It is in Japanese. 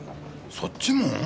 そっちも？